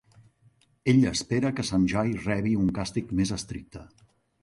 Ell espera que Sanjay rebi un càstig més estricte.